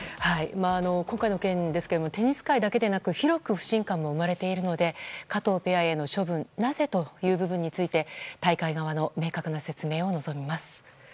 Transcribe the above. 今回の件ですがテニス界だけではなく広く不信感が生まれているので加藤ペアへの処分なぜ？という部分について大会側の明確な説明を望みます。